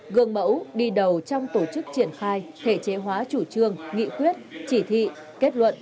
gương mẫu đi đầu trong tổ chức triển khai thể chế hóa chủ trương nghị quyết chỉ thị kết luận